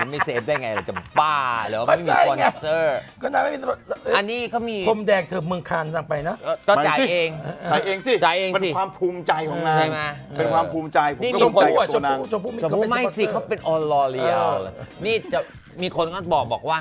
ไม่เซฟได้ไงเราจะบ้า